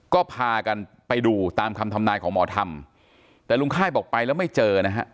ก็พากันไปดูตามคำทำนายของหมอธรรมแต่ลุงค่ายบอกไปแล้วไม่เจอนะฮะ